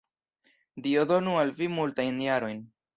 Dio donu al vi multajn jarojn!